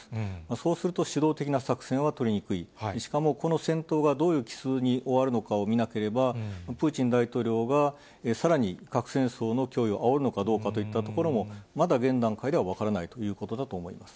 そうすると、主導的な作戦は取りにくい、しかもこの戦闘がどういう帰すうに終わるのかを見なければ、プーチン大統領がさらに核戦争の脅威をあおるのかといったところも、まだ現段階では分からないということだと思います。